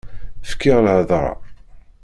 Fkiɣ lhedra.